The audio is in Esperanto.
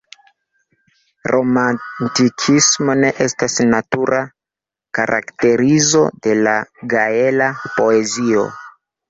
Romantikismo ne estas natura karakterizo de la gaela poezio.